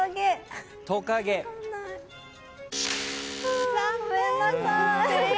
ごめんなさい。